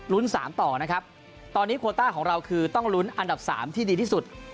สามต่อนะครับตอนนี้โคต้าของเราคือต้องลุ้นอันดับสามที่ดีที่สุด